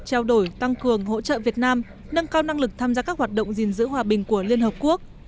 trao đổi tăng cường hỗ trợ việt nam nâng cao năng lực tham gia các hoạt động gìn giữ hòa bình của liên hợp quốc